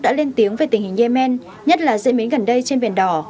đã lên tiếng về tình hình yemen nhất là diễn biến gần đây trên biển đỏ